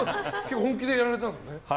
本気でやられたんですね。